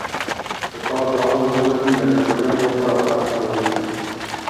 د کار دوام ونه لري لکه ډوډۍ مې وخوړه او خط مې ولیکه.